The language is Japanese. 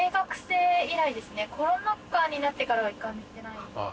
コロナ禍になってからは一回も行ってない。